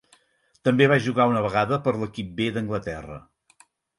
També va jugar una vegada per l'equip B d'Anglaterra.